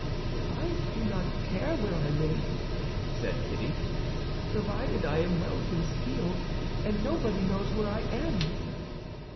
"I do not care where I live," said Kitty, "provided I am well concealed, and nobody knows where I am."